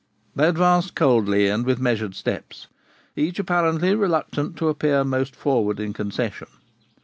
They advanced coldly, and with measured steps, each apparently reluctant to appear most forward in concession.